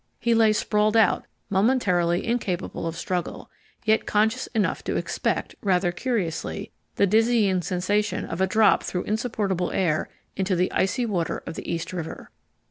He lay sprawled out, momentarily incapable of struggle, yet conscious enough to expect, rather curiously, the dizzying sensation of a drop through insupportable air into the icy water of the East River.